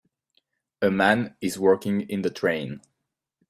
A man is working in the train